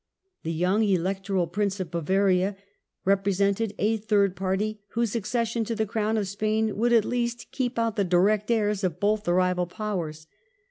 The young Electoral Prince of Bavaria re presented a third party, whose accession to the crown of Spain would at least keep out the direct heirs of both the rival powers.